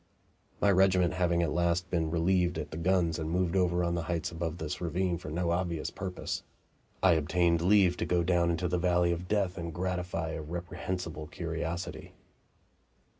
My regiment having at last been relieved at the guns and moved over to the heights above this ravine for no obvious purpose, I obtained leave to go down into the valley of death and gratify a reprehensible curiosity.